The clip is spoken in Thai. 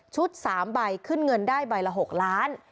๓ใบขึ้นเงินได้ใบละ๖ล้าน